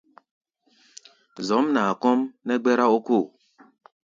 Zɔ̌mnaa kɔ́ʼm nɛ́ gbɛ́rá ókóo.